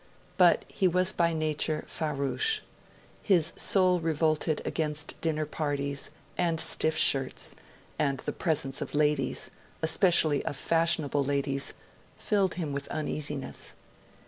But he was by nature farouche; his soul revolted against dinner parties and stiff shirts; and the presence of ladies especially of fashionable ladies filled him with uneasiness.